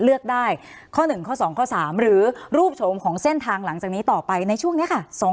เลือกได้ข้อ๑ข้อ๒ข้อ๓หรือรูปโฉมของเส้นทางหลังจากนี้ต่อไปในช่วงนี้ค่ะ